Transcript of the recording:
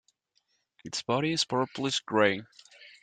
Its body is purplish gray.